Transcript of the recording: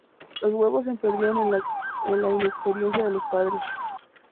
Los huevos se perdieron por la inexperiencia de los padres.